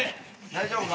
大丈夫か？